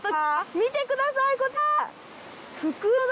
見てくださいこちら。